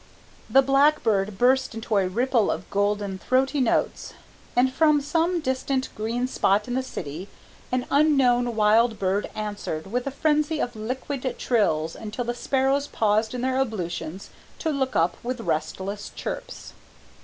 The blackbird burst into a ripple of golden throaty notes, and from some distant green spot in the city an unknown wild bird answered with a frenzy of liquid trills until the sparrows paused in their ablutions to look up with restless chirps.